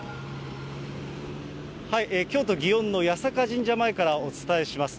京都・祇園の八坂神社前からお伝えします。